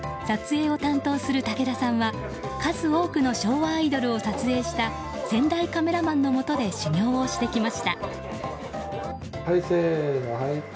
撮影を担当する武田さんは数多くの昭和アイドルを撮影した先代カメラマンのもとで修行をしてきました。